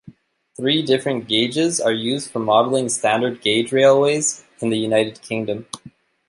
Three different gauges are used for modelling standard gauge railways in the United Kingdom.